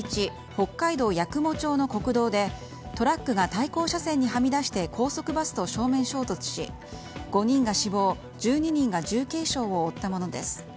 北海道八雲町の国道でトラックが対向車線にはみ出して高速バスと正面衝突し５人が死亡１２人が重軽傷を負ったものです。